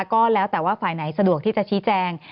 ก็แล้วแต่ว่าฝ่ายไหนสะดวกที่จะชี้แจง